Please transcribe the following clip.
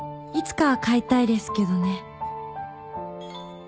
「いつかは飼いたいですけどね」